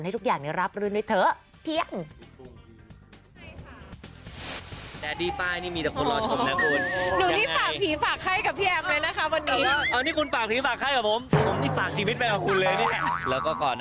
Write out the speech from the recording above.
ใช่ด้วยดีฝนอย่าตก